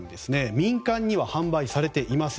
民間には販売されていません。